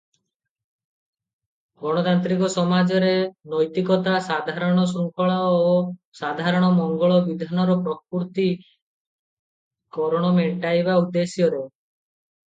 ଗଣତାନ୍ତ୍ରିକ ସମାଜରେ ନୈତିକତା, ସାଧାରଣ ଶୃଙ୍ଖଳା ଓ ସାଧାରଣ ମଙ୍ଗଳ ବିଧାନର ପ୍ରକୃତି କରଣ ମେଣ୍ଟାଇବା ଉଦ୍ଦେଶ୍ୟରେ ।